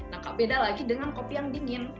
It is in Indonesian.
nah beda lagi dengan kopi yang dingin